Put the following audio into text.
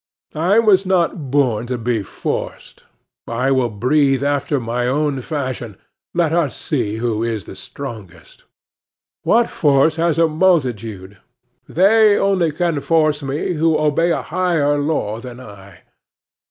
I was not born to be forced. I will breathe after my own fashion. Let us see who is the strongest. What force has a multitude? They only can force me who obey a higher law than I.